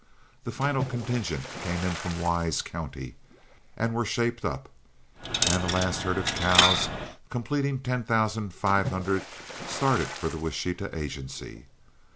The final contingent came in from Wise County and were shaped up, and the last herd of cows, completing ten thousand five hundred, started for the Washita agency.